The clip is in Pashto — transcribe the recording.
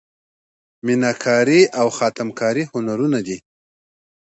میناکاري او خاتم کاري هنرونه دي.